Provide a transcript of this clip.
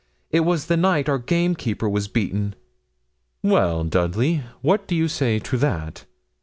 It was the night our gamekeeper was beaten.' 'Well, Dudley, what do you say to that?'